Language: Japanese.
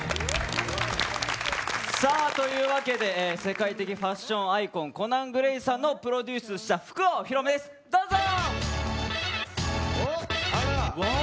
というわけで世界的ファッションアイコンコナン・グレイさんのプロデュースした服をお披露目です、どうぞ！